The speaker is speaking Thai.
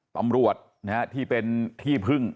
ตำรวจที่เป็นที่พึ่ง